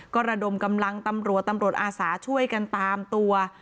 ก็ระดมกำลังตำรวจตำรวจอาสาช่วยกันตามตัว